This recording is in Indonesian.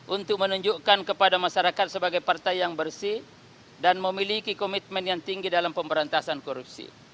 untuk menunjukkan kepada masyarakat sebagai partai yang bersih dan memiliki komitmen yang tinggi dalam pemberantasan korupsi